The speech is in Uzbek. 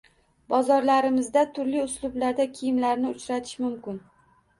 Bozorlarimizda turli uslublarda kiyimlarni uchratish mumkin.